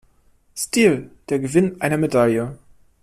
Stil, der Gewinn einer Medaille.